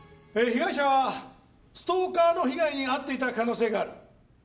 被害者はストーカーの被害に遭っていた可能性がある。